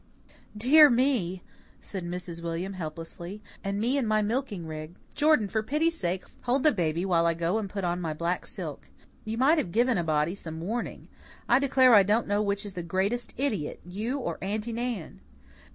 "Dear me," said Mrs. William helplessly. "And me in my milking rig! Jordan, for pity's sake, hold the baby while I go and put on my black silk. You might have given a body some warning. I declare I don't know which is the greatest idiot, you or Aunty Nan!"